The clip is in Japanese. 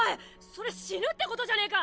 それ死ぬってことじゃねぇか！